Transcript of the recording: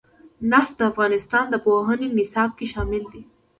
نفت د افغانستان د پوهنې نصاب کې شامل دي.